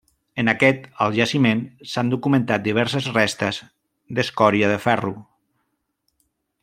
En aquest el jaciment s'han documentat diverses restes d'escòria de ferro.